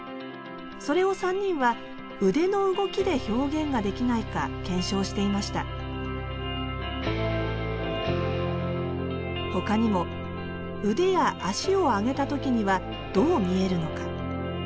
それを３人は腕の動きで表現ができないか検証していましたほかにも腕や足を上げた時にはどう見えるのか。